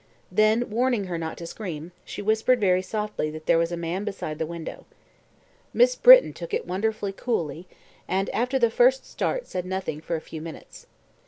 Then warning her not to scream, she whispered very softly that there was a man beside the window. Miss Britton took it wonderfully coolly, and after the first start said nothing for a few minutes.